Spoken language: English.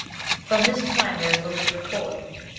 From this time there is little to record.